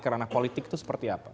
karena politik itu seperti apa